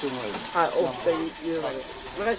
はい。